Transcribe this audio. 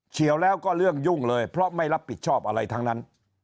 เฉียวแล้วก็เรื่องยุ่งเลยเพราะไม่รับผิดชอบอะไรทั้งนั้น